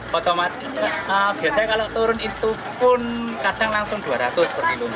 biasanya kalau turun itu pun kadang langsung rp dua ratus